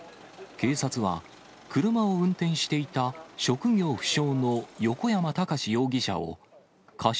警察は、車を運転していた職業不詳の横山孝容疑者を過失